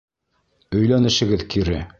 Өйләнешегеҙ кире!